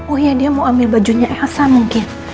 oh iya dia mau ambil bajunya elsa mungkin